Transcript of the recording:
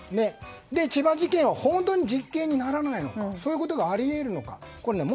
千葉事件は本当に実刑にならないのかそういうことがあり得るのか。